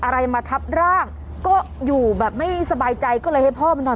อะไรมาทับร่างก็อยู่แบบไม่สบายใจก็เลยให้พ่อมานอน